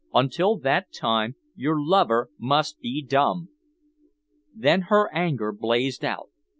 Until that time your lover must be dumb." Then her anger blazed out.